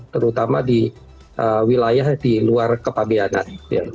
terutama di wilayah di luar kepabianan